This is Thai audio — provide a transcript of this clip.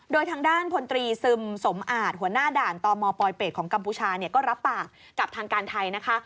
โดยทางด้านพลตรีซึมสมอาจหัวหน้าด่านตมปลอยเป็ดของกัมพูชาก็รับปากกับทางการไทยนะคะ